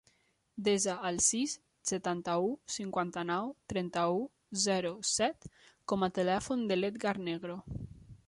Desa el sis, setanta-u, cinquanta-nou, trenta-u, zero, set com a telèfon de l'Edgar Negro.